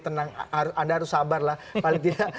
tenang anda harus sabar lah paling tidak